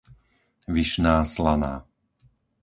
Vyšná Slaná